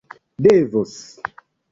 devos